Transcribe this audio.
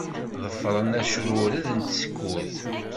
Ḍefṛen acrured n tsekkurt.